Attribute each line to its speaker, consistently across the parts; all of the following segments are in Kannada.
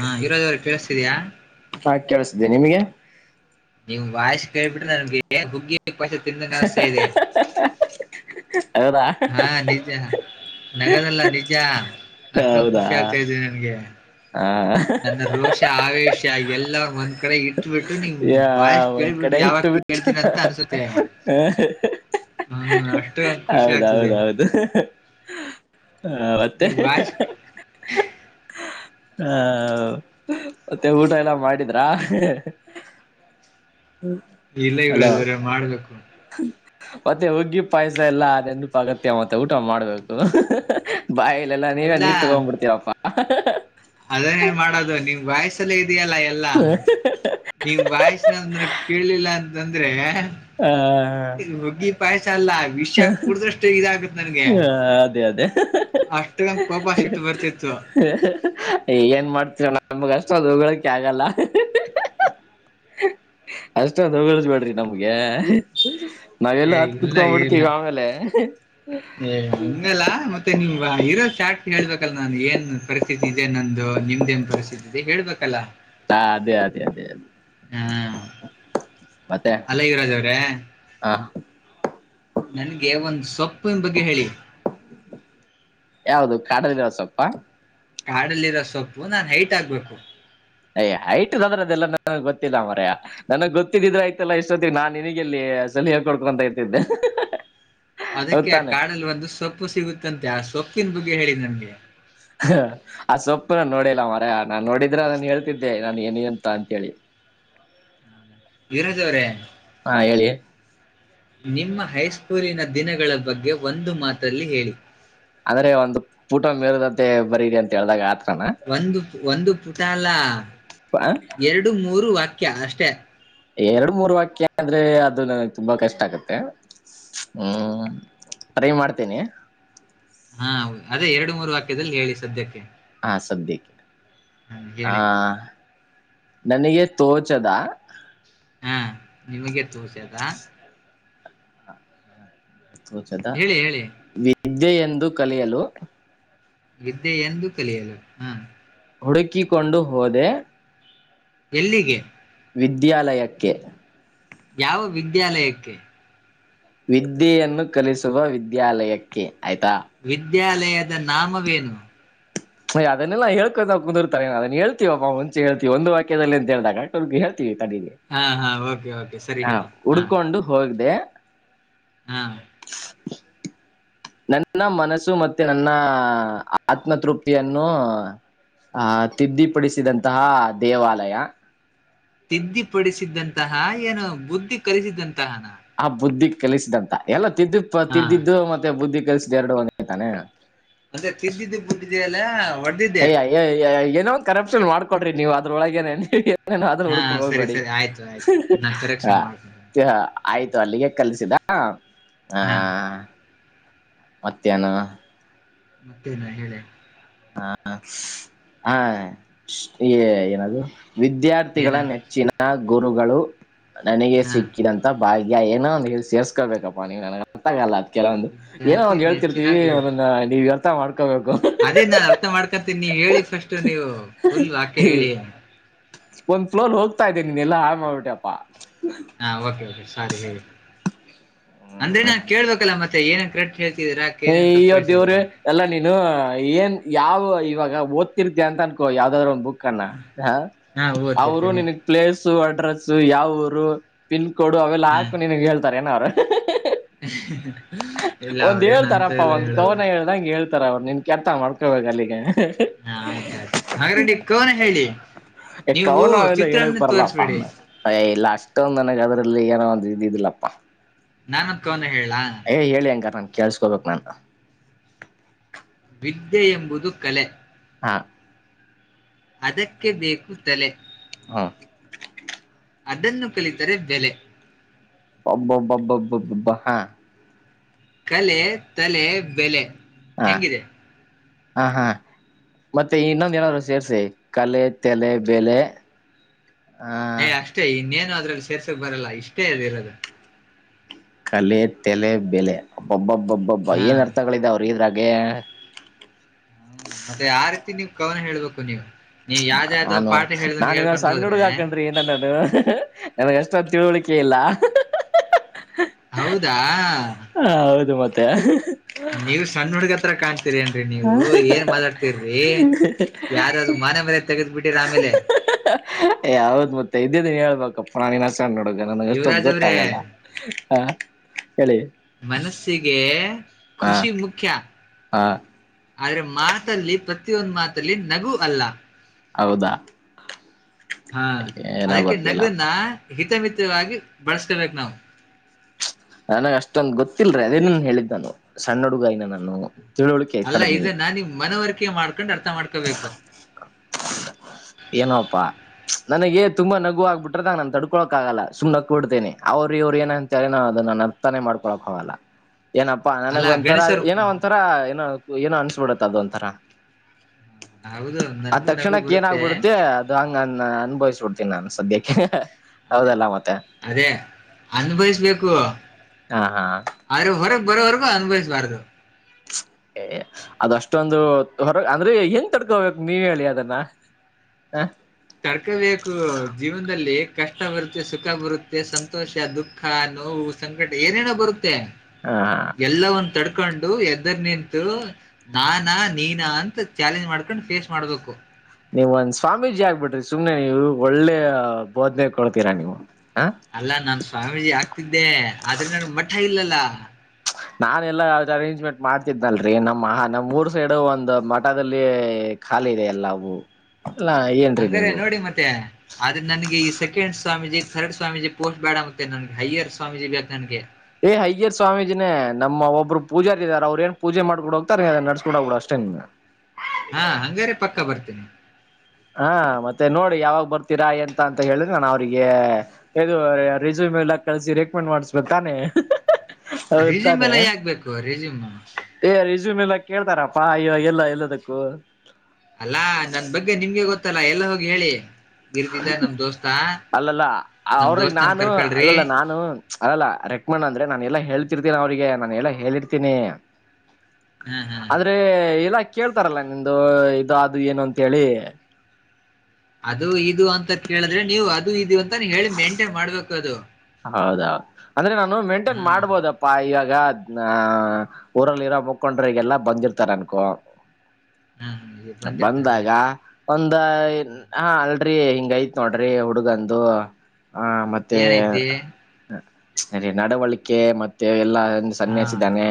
Speaker 1: ಹಾ ಇರೋದವರು ಕೇಳಿಸತಿದಯಾ
Speaker 2: ಇದದೆ ನಿಮಗೆ
Speaker 1: ನೀಮ್ ವಾಯಸ್ ಕೇಳ್ಬಿಟ್ರೆ ನನ್ಗೆ ಹುಗ್ಗಿ ಪಸ ತಿಿಂದ ನನಸ್ತಾ ಇದೆ
Speaker 2: ಹ ಹೌದಾ ಹಕ್ ಹಕ್
Speaker 1: ಕಿಕಿಕಿಕಿ ನಗದಲ್ಲ ನಿಜ ಕಿಕಿಕಿ ಅಷ್ಟೊಂದು
Speaker 2: ಹೌದಾ
Speaker 1: ಖುಷಿ ಆಗ್ತಾ ಇದೆ ನನ್ಗೆ ಹ ನನ್ನ ರೋಷ ಆವೇಶ ಕೀ ಕೀಎಲ್ಲ ಒಂದ್ ಕಡೆ ಇ
Speaker 2: ಹ ಯಾಆಆಆ ಒಂದ್ ಕಡೆ ಇಟ್ಟು ಬಿಟ್ಟು
Speaker 1: ಕೇಳ್ತೀನಿ ಅಂತ
Speaker 2: ಹಾಕ್ಕ್ಕ್
Speaker 1: ಅನ್ಸುತ್ತೆ
Speaker 2: ಹಕ್ ಹಕ್
Speaker 1: ಹ್ಮ್
Speaker 2: ಹಕ್
Speaker 1: ಅಷ್ಟು
Speaker 2: ಹ
Speaker 1: ಖುಷಿ
Speaker 2: ಹೌದ
Speaker 1: ಆಗ್ತಿದೆ
Speaker 2: ಅವೌದ್ ಹ ಅವೌದು ಹ ಹ ಮತ್ತೆ
Speaker 1: ನೀವ್ ವಾಯ್ಸ್
Speaker 2: ಹಿಹಿಹಿಹಿ ಹಕ್ ಹಹಹಹ ಹ ಮತ್ತೆ ಊಟ ಎಲ್ಲಾ ಮಾಡಿದ್ರಾ ಹಃರಾ
Speaker 1: ಇಲ್ಲ ಯುವರಾಜರೇ ಮಾಡ್ಬೇಕು
Speaker 2: ಹ ಹ ಮತ್ತೆ ಹಗ್ಗಿ ಪಾಯಸ ಎಲ್ಲ ಅದೆ ನೆನಪ್ ಆಗೊತ್ತೆ ಮತ್ತೆ ಊಟ ಮಾಡ್ಬೇಕು. ಹು ಹು ಕ್ ಹು ಬಾಯಲೆಲ್ಲ ನೀವೇ ನೀರ ತಗೊಂಡ್ ಬಿಡ್ತೀವಪ್ಪಾ ಅಹಕ್ ಅ ಹ
Speaker 1: ಅದನ್ನೆನು ಮಾಡೋದು ನಿಮ್ಮ ವಾಯಸ್ ತ್ತಲ್ಲಿ ತ್ತಿಲ್ಲ ಎಲ್ಲಾ ನೀಮ್ಮ ವಾಯಸ್ನಂದ್ರು ಕೇಳಲಿಲ್ಲ ಅ ತಂದ್ರೆ
Speaker 2: ಹ ಹ ಹ
Speaker 1: ಪೈಸ್ ಅಲ್ಲ ವಿಷಯ ಕುಡದಷ್ಟೇ ಇದಾಗತ್ ನನ್ಗೆ ಅಷ್ಟು ನಂಗ್ ಕೋಪ
Speaker 2: ಹಕ್
Speaker 1: ಸಿಟ್ಟು ಬರ್ತಿತ್ತು
Speaker 2: ಹಾಆಕ್ಕ್ ಏನ್ ಮಾಡ್ತೀರೋ ನಮಗೆ ಅಷ್ಟೊಂದ್ ಹೊಗಳೋಕೆ ಆಗಲ್ಲಹಿಖಿಕ್ ಹಾಆಆಅ ಅಷ್ಟೊಂದು ಹೋಗಳಸಬೇಡ್ರಿ ನಮಗೆ ನಾವೆಲ್ಲ
Speaker 1: ಏ
Speaker 2: ಹತ್ತ
Speaker 1: ಇಲ್ಲ
Speaker 2: ಕುತ್ಕೊಬಟ್ಟು
Speaker 1: ಇಲ್ಲ ಏ ಹಂಗಲ್ಲ ಮತ್ತೆ ನೀಮ್ಮ ಇರೋ ಸಾಕ್ ಕೆಳ್ಬೇಕಲ್ಲ ನಾನು ಏನ್ ಪರಿಸ್ಥಿತಿ ಇದೆ ನಂದು ನಿಮ್ದೇ ಪರಿಸ್ಥಿತಿದೆ ಹೇಳ್ಬೇಕಲ್ಲ
Speaker 2: ಹಾ ಅದೇ ಅದೇ ಅದೇ ಅದೇ
Speaker 1: ಹಾ
Speaker 2: ಮತ್ತೆ
Speaker 1: ಅಲ್ಲ ಯುವರಾಜ್ ಅವ್ರೆ
Speaker 2: ಹ
Speaker 1: ನನಗೆ ಒಂದ್ ಸೊಪ್ಪಿನ ಬಗ್ಗೆ ಹೇಳಿ
Speaker 2: ಕಾಡಲ್ಲಿ ಇರೋ ಸೊಪ್ಪು
Speaker 1: ಕಾಡಲ್ಲಿರೋ ಸೊಪ್ಪು ನಾನ ಹೈಟ್ ಆಗ್ಬೇಕು
Speaker 2: ಅಯ ಹೈಟ್ ಗೆ ಅಂದ್ರೆ ಅದೆಲ್ಲಾ ನನಗ್ ಗೊತ್ತಿಲ್ಲ ಮರ ನನಗ್ ಗೊತ್ತಿದ್ದಿದ್ರೆ ಆಯ್ತಲ್ಲ ಇಷ್ಟೊತ್ತಿಗೆ ನಾನ್ ನಿನಗೆಲ್ಲಿ ಸಲಹೆ ಕೊಡ್ಕೊಂತ ಇರ್ತಿದ್ದೆ ಹಿಹ ಆಆಆ
Speaker 1: ಅದಕ್ಕೆ ಕಾಡಲ್ಲಿ ಒಂದು ಸೊಪ್ಪು ಸಿಗುತ್ತಂತೆ ಆ ಸೊಪ್ಪು ಪ್ಪಿನ್ ಬಗ್ಗೆ ಹೇಳಿ ನನ್ಗೆ
Speaker 2: ಹ ಆ ಸೊಪ್ಪು ನಾ ನೋಡಿಲ್ಲ ಮರ ನಾನ್ ನೋಡಿದ್ರೆ ಅದನ್ನ ಹೇಳ್ತಿದ್ದೆ ನಾನು ಏನ ಅಂತ ಅಂತೇಳಿ
Speaker 1: ವಿರೋದ ಅವ್ರೇ
Speaker 2: ಹಾ ಹೇಳಿ
Speaker 1: ನಿಮ್ಮ ಹೈಸ್ಕೂಲಿನ ದಿನಗಳ ಬಗ್ಗೆ ಒಂದು ಮಾತಲ್ಲಿ ಹೇಳಿ
Speaker 2: ಅಂದ್ರೆ ಒಂದು ಪಊಟ ಮೇರದಂತೆ ಬರರಿ ಅಂತ ಹೇಳ್ದಾಗ ಆತ
Speaker 1: ಒಂದು ಒಂದು ಪುಟಾಲ ಅಷ್ಟೇ
Speaker 2: ಎರಡು ಮೂರು ವಾಕ್ಯ ಅಂದ್ರೆ ಅದು ನನಗೆ ತುಂಬಾ ಕಷ್ಟ ಆಗುತ್ತೆ ಹ್ಮ್ ಟ್ರೈ ಮಾಡ್ತೇನಿ
Speaker 1: ಹಾ ಅದೇ ಎರಡು ಮೂರು ವಾಕ್ಯದಲ್ಲಿ ಹೇಳಿ ಸದ್ಯಕ್ಕೆ
Speaker 2: ಹ ಸದ್ಯಕ್ಕೆ
Speaker 1: ಹ್ಮ್,
Speaker 2: ಆ
Speaker 1: ಹೇಳಿ
Speaker 2: ನನಗೆ ತೋಚದ
Speaker 1: ಹಾ ನಿಮಗೆ ತೋಸೆ ಅದಾ
Speaker 2: ೋಚದ
Speaker 1: ಹೇಳಿ ಹೇಳಿ
Speaker 2: ವಿದ್ಯೆೆ ಎಂದು ಕಲಿಯಲು
Speaker 1: ವಿಿದ್ಯ ಎಂದ ಕಲಿಯಲ್ಲ ಹ್ಮ
Speaker 2: ಹುಡುಕಿಕೊಂಡು ಹೋದೆ
Speaker 1: ಎಲ್ಲಿಗೆ
Speaker 2: ವಿದ್ಯಾಲಯಕ್ಕೆ
Speaker 1: ಯಾವ ವಿದ್ಯಾಲಯಕ್ಕೆ
Speaker 2: ವಿದ್ಯೆಯನ್ನು ಕಲಿಸುವ ವಿದ್ಯಾಲಯಕ್ಕೆ ಆಯ್ತಾ
Speaker 1: ವಿದ್ಯಾಲಯದ ನಾಮ ನು
Speaker 2: ನಯ್ದನ್ನೆಲ್ಲ ಹೇಕೊಂತಾ ಕುಿರ್ತಾರೆ ಅದ ಹೇಳ್ತೀವಪ್ಪ ಒಂಚೆ ಹೇಳ್ತಿವಿ ಒಂದು ವಾಕ್ಯದಲ್ಲಿ ಅಂತ ಹೇಳ್ದಾಗಂಟೋರ್ಗ್ ಹೇತತಿ
Speaker 1: ಹಾ ಹಾ ಯಹ
Speaker 2: ಹಾ ಹುಡ್ಕೊಂಡು ಹೋಗ್ದ
Speaker 1: ಹಾ
Speaker 2: ನನ್ನ ಮನಸ್ಸು ಮತ್ತೆ ನನ್ನ ಆತ್ಮತೃಪ್ತಿಯನ್ನು ಆಹ ತಿದ್ದಿಪಡಿಸಿದಂತಹ ದೇವಾಲಯ
Speaker 1: ತಿದ್ದಿಪಡಿಸಿದ್ದಂತಹ ಏನು ಬುದ್ಧಿ ಕಲಿಸಿದಂತಹ
Speaker 2: ಆ ಬುದ್ಧಿ ಕೆಲಸಿದಂತ ಎಲ್ಲ ತಿದ್ದು ಪ ತಿದ್ದು ಮತ್ತೆ ಬುದ್ಧಿ ಕೆಲ್ಸ ಎರಡು ಒಂದ್ತಾನೆ
Speaker 1: ಅಂದ್ರೆ ತಿದ್ದಿದ್ದು ಬುದಿದ್ದಲ್ಲ ಒ
Speaker 2: ಅಯ್ಯ ಏನೋ ಒಂದು ಕರಪ್ಷನ್ ಮಾಡ್ಕೊಡ್ರಿ ನೀವು ಅದ್ರೊಳಗೆನೆೇ ನ್ ಅದನ್ನು
Speaker 1: ಹಾ
Speaker 2: ಹುಡ್ಕೊಂಡು
Speaker 1: ಸರಿ
Speaker 2: ಹೋಗ್ಬೇಡಿ
Speaker 1: ಸರಿ ಆಯ್ತು ಆಯ್ತು ನಾ ಕರೆಕ್ಷನ್ ಮಾಡ್ತೇನೆ
Speaker 2: ಹ ಆಯ್ತು ಅಲ್ಲಿಗೆ ಕಲ್ಸಿದ ಹಾ ಹಾ ಮತ್ತ್ಯಾನ
Speaker 1: ಮತ್ತೇನಾ ಹೇಳಿ
Speaker 2: ಹ ಹ ಏನದು
Speaker 1: ಏನ
Speaker 2: ವಿದ್ಯಾರ್ಥಿಗಳ ನೆಚ್ಚಿನ ಗುರುಗಳು ನನಗೆ
Speaker 1: ಹಾ
Speaker 2: ಸಿಕ್ಕಿದಂತ ಬಾಯ ಈಗ ಏನ ಅ ಹೇಳಿ ಸೇರ್ಸ್ಕೊಳ್ಬೇಕಪ್ಪ ನೀ ನ ಅರ್ಗಲ್ಲ ಕೆಲವ ಒಂದು ಏನೋ
Speaker 1: ವಿದ್ಯಾರ್ಥಿ
Speaker 2: ಅವ್
Speaker 1: ನೆಚ್ಚಿನ
Speaker 2: ಹೇಳ್ತಿರ್ತಿೀವಿ
Speaker 1: ಗುರು
Speaker 2: ಅವನ್ನ ನೀವು ಮಾಡ್ಕೋಬೇಕು
Speaker 1: ಅದೇ ನ ಮಾಡ್ಕೊತೀನಿ ನೀ ಹೇಳಿ ಫಸ್ಟ್ ನೀವು ಫುಲ್ ಆಾಕೆ ಹೇಳಿ
Speaker 2: ಒಂದ್ ಫ್ಲೋರ್ ಹೋಗ್ತಾ ಇದ್ದದೆ ನಿನ್ನ ಎಲ್ಲ ಹಾ ಮಾಡ್ಬಿಟೆಪ್ಪಾ
Speaker 1: ಹಾ ಓಕೆ ಕೆ ಸರಿ ಹೇಳ ಅಂದ್ರೆ ನಾನ್ ಕೇಳ್ಬೇಕಲ್ಲ ಮತ್ತೆ ಏನನು ಕ್ರೆಟ್ ಹೇಳ್ತಿದೀಾ ಅಕೆ ನನ್ ತಪ್ಪ ಹೇಳ್ತಿದೀರಾ ಅಂತ
Speaker 2: ಇ ಏನ್ ಯಾವ ಇವಾಗ ಓದ್ತಿರ್ತಿ ಅಂತ ಅನ್ಕೋ ಯಾವ್ದಾದ್ರರು ಒಂದು್ ಬುಕ್ ಣ ಹ
Speaker 1: ಹಾ
Speaker 2: ಅವರು
Speaker 1: ಓದ್ತಿರ್ತೀನಿ
Speaker 2: ನಿನಗ್ ಪ್ಲೇಸ್ ಅಡ್ರೆಸ್ ಯಾವಊರು ಪಿನ್ೋ ಕೊಡುುವ ಅವೆಲ್ಲ
Speaker 1: ಹಾ
Speaker 2: ಹಾಕು ನಿಿನಗೆ ಹೇಳ್ತಾರೆ ಏನ ಅವರು
Speaker 1: ಇಲ್ಲ ಅವರೇ ನನ್
Speaker 2: ಪ್ಪ ಒಂದು ಕವನ ಹ ಹೇಳ್ದಂ ಹೇಳಿ ಇರ್ತರ ಅವ್ರು ನಿನ್ ಕೆರ್ತ ಮಾಡ್ಕೊಬೇಕು ಅಲ್ಲಿಗೆ
Speaker 1: ಹಾ ಆಯ್ತಾಯಯ್ತು ಹಾಗ ರಂಡಡಿ ಕವನ ಹೇಳಿ ನೀವು
Speaker 2: ಕವನ ಅವೆಲ್ಲ
Speaker 1: ಚಿತ್ರನ್ನ ತೋರಿಸಬೇಡಿ
Speaker 2: ಇಷ್ಟೊಂದ್ ನನಗೆ ಅದರಲ್ಲಿ ಏನೋ ಒಂದು್ ಇದಿದಿಲ್ಲಪ್ಪ
Speaker 1: ನಾನ್ ಅಂದಕೊಂಡ ಹೇಳಲಾ
Speaker 2: ಕೇಳಸ್ಕೊ ನ
Speaker 1: ವಿದ್ಯೆ ಎಂಬುದು ಕಲೆ
Speaker 2: ಹಾ
Speaker 1: ಅದಕ್ಕೆ ಬೇಕು ತಲೆ
Speaker 2: ಹಾ
Speaker 1: ಅದನ್ನು ಕಲಿತರೆ ಬೆಲೆ
Speaker 2: ಬಬ ಬ ಬಬ ಹಾ
Speaker 1: ಕಲೆ ತಲೆ ಬೆಲೆ ಹೆಂಗಿದೆ
Speaker 2: ಹಾ ಹಾ ಮತ್ತೆ ಇನ್ನೊಂದ ಏನಾದ್ರು ಸೇರ್ರಿಸಿ ಕಲೆ ತಲೆ ಬೆಲೆ ಆ
Speaker 1: ಏ ಅಷ್ಟೇ ಇನ್ನೇನು ಅದ್ರಲ್ಲಿ ಸೇರ್ಸೋಕ ಬರಲ್ಲ ಇಷ್ಟೇ ಅದ ಇರೋದು
Speaker 2: ಕಲೆ ತಲೆ ಬೆಲೆ ಅಬ್ಬಬ್ಬ ಅಬ್ಬಬ್ಬ
Speaker 1: ಹಾ
Speaker 2: ಏನ್
Speaker 1: ಹ್ಮ್.
Speaker 2: ಅರ್ಥಗಳ ಇದಾವ ರಿ ಇದ್ರಾಗೆ
Speaker 1: ಹ್ಮ ಮತ್ತೆ ಆ ರೀತಿ ನೀವ ಕವನ ಹೇಳ್ಬೇಕು ನೀವ
Speaker 2: ನಾನು ನಾನ ಇನ್ನೊ ಸಣ್ಣ
Speaker 1: ಹೋದ್ರೆ
Speaker 2: ಹುಡುಗ ಕಣ್ರೀ ನನನ್ನು [unintelligible] ನನಗ ಅಷ್ಟೊಂದ ತಿಳುವಳಿಕೆ ಇಲ್ಲ
Speaker 1: ಹೌದಾ
Speaker 2: ಹಾ ಹೌದು ಮತ್ತೆ [unintelligible]
Speaker 1: ನೀವ್ ಸಣ್ಣ ಹುಡ್ಗ ತರ ಕಾಣ್ತೀರಿ ಅನ್ನ ರಿ ನೀವು ಏನ್ ಮಾತಾಡ್ತಿರ್ರಿ ಯಾರ್ರ ಮಾನ ಮರ್ಯಾದೆ ತೆಗೆದ ಬಿಟ್ಟಿರ ಆಮೇಲೆ
Speaker 2: [unintelligible] ನೋಡ ನನಗೆ ಅಷ್ಟೊಂದು
Speaker 1: ಯುವರಾಜ್ ಅವ್ರೇ
Speaker 2: ಗೊತ್ತಾಗಲ್ಲ ಹಾ ಹೇಳಿ
Speaker 1: ಮನಸ್ಸಿಗೆ
Speaker 2: ಹಾ
Speaker 1: ಖುಷಿ ಮುಖ್ಯ
Speaker 2: ಹಾ
Speaker 1: ಆದ್ರೆ ಮಾತಲ್ಲಿ ಪ್ರತಿಯೊಂದು ಮಾತಲ್ಲಿ ನಗು ಅಲ್ಲ
Speaker 2: ಹೌದಾ
Speaker 1: ಹಾ
Speaker 2: ಏನೋ
Speaker 1: ಅದಕ್ಕೆ
Speaker 2: ಗೊತ್ತಿಲ್ಲಪ್ಪ
Speaker 1: ನಗ್ದನ್ನ ಹಿತಮಿತವಾಗಿ ಬೆಳಸ್ಕೊಬೇಕು ನಾವು
Speaker 2: ನನಗ ಅಷ್ಟೊಂದ್ ಗೊತ್ತಿಲ್ರರಿ ಅದನ್ನೇ ಹೇಳಿದ್ದ ನಾನು ಸಣ್ಣ ಹುಡುಗ ಇನ ನಾನು ತಿಳುವಳಿಕೆ
Speaker 1: ಅಲ್ಲ
Speaker 2: ಕಡಿಮಿ
Speaker 1: ಇದನ್ನ ನಿನ ಮನವರಿಕೆ ಮಾಡ್ಕೋ ಕೊಂಡ ಅರ್ಥ ಮಾಡ್ಕೋಬೇಕು
Speaker 2: ನನಗೆೇ ತುಂಬ ನಗು ಆಗ್ಬಬಿಟ್ರ ನಾನ ಅದನ್ನ ತಡ್ಕೊಳಕ ಆಗಲ್ಲ ಸುಮ್ಮ ನಕ್ಕ ಬಿಡ್ತೀನಿ ಅವ್ರ ಇವ್ರು ಏನ [unintelligible] ನಾನ ಅದನ್ನ ಅರ್ಥಾನೆ ಮಾಡ [unintelligible] ಏನಪ್ಪಾ
Speaker 1: ಅಲ್ಲ
Speaker 2: ನನಗ ಒಂಥರ
Speaker 1: ಗಣೇಶರು
Speaker 2: ಏನೋ ಒಂಥರಾ ಏನೋ ಏನೋ ಅನ್ಸ ಬಿಡತ್ತ ಅದ ಒಂಥರ
Speaker 1: ಹೌದು ನನ್ಗು ನಗು ಬರುತ್ತೆ
Speaker 2: ಮತ್ತೆ ಅದು ಹಂಗ ಅನ್ಭವಿಸಬಿಡ್ತೀನಿ ನಾನ ಸದ್ಯಕ್ಕೆ
Speaker 1: ಅದೇ
Speaker 2: ಹೌದಲ್ಲ ಮತ್ತೆ
Speaker 1: ಅದೇ ಅನ್ಭವಿಸ್ಬೇಕು
Speaker 2: ಹಾ ಹಾ
Speaker 1: [unintelligible] ಬರೋವರ್ಗು ಅನುಭವಿಸಬಾರದು
Speaker 2: ಅದಷ್ಟೊಂದು ಹೊರ ಅಂದ್ರೆ ಹೆಂಗ ತಡ್ಕೊಬೇಕು ನೀವ ಹೇಳಿ ಅದನ್ನ ಹ
Speaker 1: ತಡರ್ಕೋಬೇಕು ಜೀವನದಲ್ಲಿ ಕಷ್ಟ ಬರುತ್ತೆ ಸುಖ ಬರುತ್ತೆ ಸಂತೋಷ ದುಃಖ ನೋವು ಸಂಕಟ ಏನೇನೋ ಬರುತ್ತೆ
Speaker 2: ಹಾ
Speaker 1: ಎಲ್ಲ ಒಂದು ತರ್ ಕೊಂಡು ಎದ್ದರ್ ನಿಂತು ನಾನಾ ನೀನಾ ಅಂತ ಚಾಲೆಂಜ್ ಮಾಡ್ಕೊಂಡ್ ಫೇಸ್ ಮಾಡ್ಬೇಕು
Speaker 2: ನೀವ್ ಒಂದ ಸ್ವಾಮೀಜಿ ಆಗ್ಬಿಟ್ರಿ ಸುಮ್ನೆ ನೀವು ಒಳ್ಳೆ ಬೋದನೆ ಕೊಡ್ತೀರಾ ರಾ ನೀವು ಹ
Speaker 1: ಅಲ್ಲ ನಾನ್ ಸ್ವಾಮೀಜಿ ಆಗ್ತಿದ್ದೆ ಆದ್ರೆ ನನ್ ಮಠ ಇಲ್ಲಲ್ಲ
Speaker 2: ನಾನ ಎಲ್ಲಾ ಯಾವ್ದ ಅರೇಂಜ್ಮೆಂಟ್ ಮಾಡ್ತಿದ್ನಲ್ರರಿ ನಮ್ಮ ನಮ್ಊರ್ ಸೈಡ್ ಒಂದು ಮಠದಲ್ಲಿ ಖಾಲಿ ಇದೆ ಎಲ್ಲವು ಅಲ್ಲಾ ಏನ್ರೀ
Speaker 1: ಹಂಗಾರೆ
Speaker 2: ನೀವು
Speaker 1: ನೋಡಿ ಮತ್ತೆ ಆದ್ರೆ ನನ್ಗೆ ಈ second Swamiji third Swamiji post ಬೇಡ ಮತ್ತೆ ನನ್ಗೆ ಅಯ್ಯರ್ ಸ್ವಾಮೀಜಿ ಬೇಕು ನನಗೆ.
Speaker 2: ಏ್ ಹಯ್ಯರ್ ಸ್ವಾಮೀಜಿನೇ ನಮ್ಮ ಒಬ್ರು ಪೂಜಾರಿದಿದ್ದಾರೆ ಅವ್ರರು ಏನ್ ಪೂಜೆ ಮಾಡ್ಕೊಡ್ ಹೋಗ್ತಾರೆ ಅದನ್ನ ನಡ್ಸ್ಕೊಂಡ್ ಹೋಗಿಡ ಅಷ್ಟೇ.
Speaker 1: ಹಾ ಹಂಗಾರೆ ಪಕ್ಕ ಬರ್ತೀನಿ.
Speaker 2: ಹಾ ಮತ್ತೆ ನೋಡಿ ಯಾವಾಗ ಬರ್ತೀರಾ ಎಂತ ಅಂತ ಹೇಳಿದ್ರೆ ನಾನು ಅವ್ರಿಗೆ ಇದು ರೆಸ್ಯೂಮ್ ಎಲ್ಲ ಕಳಸಿ ರೆಕಮೆಂಡ್ ಮಾಡ್ಸ್ಬೇಕು ತಾನೇ.
Speaker 1: ರಿಜಿಮ್ ಎಲ್ಲ ಯಾಗ್ಬೇಕೇಕು ರಿಜಿಮ್.
Speaker 2: ಏ ಎಲ್ಲ ಕೇಳ್ತಾರಪ್ಪಾ ಅಯ್ಯೋ ಎಲ್ಲ ಎಲ್ಲದಕ್ಕೂ.
Speaker 1: ಅಲ್ಲಾ ನನ್ ಬಗ್ಗೆ ನಿಮ್ಗೆ ಗೊತ್ತ. ಗೊತ್ತಲ್ಲಾ ಎಲ್ಲ ಹೋಗಿ ಹೇಳಿ. ಇರ್ತಿದ್ದ ನಮ್ ದೋಸ್ತ
Speaker 2: ಅಲ್ಲಲ್ಲ
Speaker 1: ನಮ್
Speaker 2: ಅವ್ರಗ್
Speaker 1: ದೋಸ್ತನ
Speaker 2: ನಾನು
Speaker 1: ಕರ್ಕೊಳ್ರಿ
Speaker 2: ಅದಲ್ಲ ನಾನು ಅದಲ್ಲ ರೆಕ್ಮಣ್ ಅಂದ್ರೆ ನಾನ ಎಲ್ಲಾ ಹೇಳ್ತಿರ್ತೀನ ಅವ್ರಿಗೆ. ನಾನ ಎಲ್ಲ ಹೇಳಿರ್ತೀನಿ.
Speaker 1: ಹ್ಮ್ ಹ್ಮ್
Speaker 2: ಆದ್ರೆ ಇಲ್ಲಾ. ಕೇಳ್ತಾರಲ್ಲ ನಿಂದು ಇದು ಅದು ಏನು ಅಂತೇಳಿ.
Speaker 1: ಅದು ಇದು ಅಂತ ಕೇಳಿದ್ರೆ ನೀವು ಅದು ಇ. ಮಾನ ಹೇಳಿ ಮೇಂಟೈನ್ ಮಾಡ್ಬೇಕದು.
Speaker 2: ಹೌದಾ. ಅಂದ್ರೆ ನಾನು ಮೇಂಟೈನ್ ಮಾಡಬೋದಪ್ಪ ಈಗ. ಗ ಊರಲ್ಲಿ ಇರೋ ಮುಖಂಡ್ರಗೆಲ್ಲಾ ಬಂದಿರ್ತಾರೆ ಅನ್ಕೋ.
Speaker 1: ಹ್ಮ್ ಇವ್ರ್ ಬಂದಿರ್ತಾರೆ
Speaker 2: ಬಂದಾಗ ಒಂದ
Speaker 1: ಹ್ಮ್.
Speaker 2: ಹಾ. ನಡರಿ ಹಿಂಗೈತ್ ನೋಡ್ರರಿ ಹುಡುಗಂದು. ಹ ಮತ್ತೆ.
Speaker 1: ಏನೈತಿ
Speaker 2: ಸರಿ ನಡವಳಿಕೆ ಮತ್ತೆ ಎಲ್ಲಾ.
Speaker 1: ಹಾ
Speaker 2: ಸನ್ಯಾಸಿ ಇದಾನೆ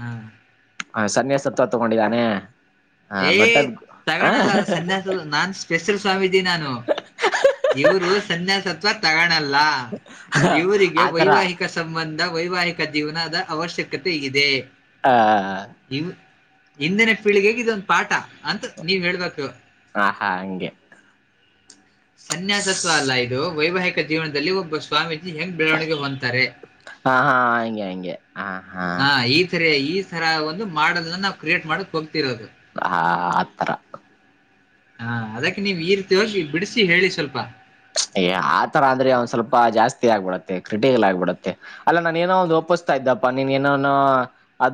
Speaker 1: ಹಾ
Speaker 2: ಹ ಸನ್ಯಾಸತ್ವ ತಗೊಂಡಿದ್ದಾನೆ. ಹ ಬಟ್
Speaker 1: ಏಯ್
Speaker 2: ಅದ್
Speaker 1: ತಗಣಲ್ಲ ಸನ್ಯಾಸ ನಾನ್. ಎಸಲ್ ಸ್ವಾಮಿ ನಾನು ಇವರು ಸನ್ಯಾಸ. ತಗಣಲ್ಲ.
Speaker 2: ಹ
Speaker 1: ಇವರಿಗೆ
Speaker 2: ಆತರ
Speaker 1: ವೈವಾಹಿಕ ಸಂಬಂಧ. ವೈವಾಹಿಕ ಜೀವನದ ಅವಶ್ಯಕತೆ ಇದೆ.
Speaker 2: ಹಾ.
Speaker 1: ಹಿಂದಿನ ಪೀಳಿಗೆ ಹಗಿದಂತ. ಪಾಠ ಅಂತ ನೀವ್ ಹೇಳ್ಬೇಕು.
Speaker 2: ಹ ಹಾ ಹಂಗೆ.
Speaker 1: ಸನ್ಯಾಸತ್ವ ಅಲ್ಲ ಇದು. ವೈವಾಹಿಕ ಜೀವನದಲ್ಲಿ ಒಬ್ಬ ಸ್ವಾಮೀಜಿ. ಹೆಂಗ್ ಬೆಳವಣಿಗೆ ಹೊಂತಾರೆ
Speaker 2: ಹಾ ಹಾ ಹಂಗೆ ಹಂಗೆ ಹ ಹಾ
Speaker 1: ಹ ಈಥರ ಈ. ಈ ತರ ಒಂದು ಮಾಡಲ್ ನಾವು ಕ್ರಿಯೇಟ್ ಮಾಡಕ್ ಹೋಗತಿರೋದು
Speaker 2: ಹಾ ಅತ್ರರ
Speaker 1: ಹಾ ಅದಕ್ಕೆ ನೀವ್ ಈ ರೀತಿ ಹೋಗಿ ಬಿಡಿಸಿ ಹೇಳಿ ಸ್ವಲ್ಪ
Speaker 2: ಏ ಆತರ ಅಂದ್ರೆ ಒಂದ ಸ್ವಲ್ಪ ಜಾಸ್ತಿ ಆಗ್ಬಿಡುತ್ತೆ ಕ್ರಿಟಿಕಲ್ ಆಗ್ಬಿಡುತ್ತೆ ಅಲ್ಲ ನಾನ ನೋ ಒ ಒಪ್ಪಿಸ್ತಾ ಇದ್ದಪ್ಪ ನೀನ್ ಏನೋನೋ ಅ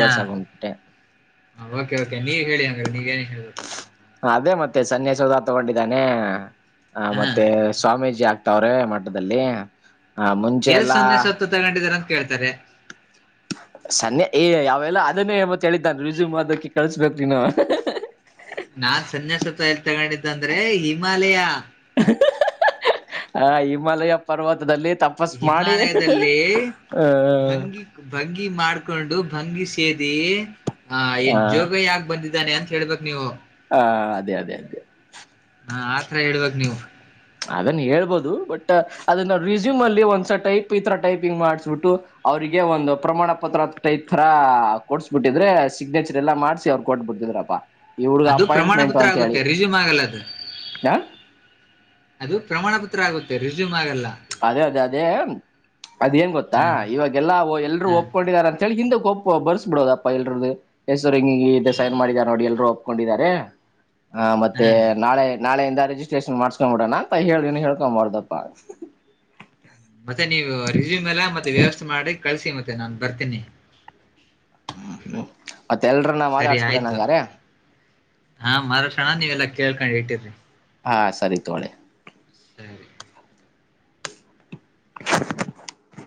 Speaker 1: ಹಾ ಕೆ ಓಕೆ ನೀವ ಹೇಳಿ ಅಂಗ್ರ ನೀವೇ
Speaker 2: ಅದೇ ಮತ್ತೆ ಸನ್ಯಾಸೌಧ ತಗೊಂಡಿದ್ದಾನೆ ಹ
Speaker 1: ಹಾ
Speaker 2: ಮತ್ತೆ ಸ್ವಾಮೀಜಿ ಆಗ್ತ ತ್ತ ಅವ್ರೆ ಮಟ್ಟದಲ್ಲಿ ಹಾ ಮುಂಚೆ
Speaker 1: ಎಲ್
Speaker 2: ಎಲ್ಲಾ
Speaker 1: ಸನ್ಯಾಸತ್ವ ತಗೊಂಡಿದಾರ ಅಂತ ಕೇಳ್ತಾರೆ
Speaker 2: ಸನ್ನೆ ಏ ಯಾವೆಲ್ಲ ಅದನ್ನೇ ಮತ್ತತ್ ಹೇಳಿದ್ದಾನ ರಿಸ್ಯೂಮ್ ಆದಕ ಕಳ್ಸ್ಬೇಕ ನೀನು
Speaker 1: ನಾನ್ ಸನ್ಯಾಸತ್ ಎಲ್ಲಿ ತಗೊಂಡಿದ್ದಂತ ಅಂದ್ರೆ ಹಿಮಾಲಯ
Speaker 2: ಹ ಹಿಮಾಲಯ ಪರ್ವತದಲ್ಲಿ ತಪಸ್ ಮಾಡಿ
Speaker 1: ಹಿಮಾಲಯದಲ್ಲಿ
Speaker 2: ಆ
Speaker 1: ಭಂಗಿ ಭಂಗಿ ಮಾಡ್ಕೊಂಡು ಭಂಗಿ ಸೇದ ಹಾ
Speaker 2: ಆ
Speaker 1: ಎನ್ ಜೋಗ ಯಾ ಬಂದಿದ್ದ ಇದ್ದಾನೆ ಅಂತ ಹೇಳ್ಬೇಕು ನೀವು
Speaker 2: ಹ ಅದೇ ಅದೇ ಅದೇ
Speaker 1: ಹಾ ಆತರ ಹೇಳ್ಬ ನೀವು
Speaker 2: ಅದನ್ ಹೇಳ್ಬೋದು ಬಟ್ ಅದನ್ನ ರಿಸ್ಯೂಮ್ ಅಲ್ಲಿ ಒಂದ್ಸ ಟೈಪ್ ಈ ತರ ಟೈಪಿಂಗ್ ಮಾಡ್ಸ್ಬಿಟ್ಟು ಅವ್ರಿಗೆ ಒಂದು ಪ್ರಮಾಣ ಪತ್ರ ಟೈಪ್ ತರ ಕೊಡ್ಸ್ಬಿಟ್ಟಿದ್ರೆ ಸಿಗ್ನೇಚರ್ ಎಲ್ಲ ಮಾಡ್ಸಿ ಅವ್ರು ಕೊಟ್ಬಿಡ್ತಿದ್ರಪ್ಪಾ ಇವಡ್ಗ
Speaker 1: ಅದು ಪ್ರಮಾಣ
Speaker 2: ಅಪಾಯಿಂಟ್ಮೆಂಟ್
Speaker 1: ಪತ್ರ
Speaker 2: ಅಂತ ಹೇಳಿ
Speaker 1: ಆಗುತ್ತೆ ರಿಸ್ಯೂಮ್ ಆಗಲ್ಲ ಅದು
Speaker 2: ಹ
Speaker 1: ಅದು ಪ್ರಮಾಣ ಪತ್ರ ಆಗುತ್ತೆ ರೆಸ್ಯೂಮ್ ಆಗಲ್ಲ
Speaker 2: ಅದೇ ಅದೇ ಅದೇ ಅದ್ ಏನ್ ಗೊತ್ತಾ
Speaker 1: ಹಾ
Speaker 2: ಇವಾಗೆಲ್ಲಾ ಎಲ್ರೂ
Speaker 1: ಹಾ
Speaker 2: ಒಪ್ಕೊಂಡಾರಂತ ಳಗ್ ಹಿಂದ ಒಪ್ಪ ಬರ್ಸಬ ಬಿಡೋದಪ್ಪಾ ಎಲ್ರದ ಹೆಸರು ಹಿಂಗ ಸೈನ್ ಮಾಡಿದ ನೋಡಿ ಎಲ್ರುೂ ಒಪ್ಕೊಂಡಿದ್ದಾರೆ ಆ ಮತ್ತೆ
Speaker 1: ಹಾ
Speaker 2: ನಾಳೆ ನಾಳೆಯಿಂದ ರಿಜಿಸ್ಟ್ರೇಷನ್ ಮಾಡ್ಸ್ಕೊಂಡ್ ಬಿಡಣ ಹೇಳ ಹೇಳ್ಕೊಬಾರುದಪ್ಪ
Speaker 1: ಮತ್ತೆ ನೀವು ರಿಸ್ಯೂಮ್ ಎಲ್ಲ ಮತ್ತೆ ವ್ಯವಸ್ಥೆ ಮಾಡಿ ಕಳಸಿ ಮತ್ತೆ ನಾನು ಬರ್ತೀನಿ
Speaker 2: ಹ
Speaker 1: ಸರಿ ಆಯ್ತು ಹಾ ಮರಕ್ಷಣ ನೀವೆಲ್ಲಾ ಕೇಳ್ಕೊಂಡ್ ಇಟ್ಟಿ ಹ
Speaker 2: ಹಾ ಸರಿ ತೋಳೆ
Speaker 1: ಸರಿ
Speaker 2: [unintelligible]